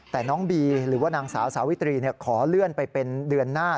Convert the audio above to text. แต่น้องบีหรือว่านางสาวสาวิตรีขอเลื่อนไปเป็นเดือนหน้า